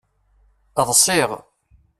Ḍṣiɣ.